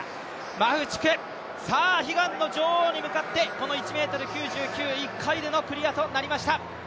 マフチク、さあ悲願の女王に向かって１ｍ９９１回でのクリアとなりました。